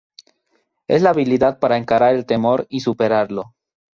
Es la habilidad para encarar el temor y superarlo.